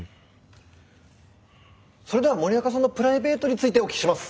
それでは森若さんのプライベートについてお聞きします。